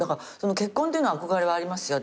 結婚っていうのは憧れはありますよ